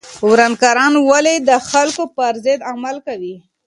ورانکاران ولې د خلکو پر ضد عمل کوي؟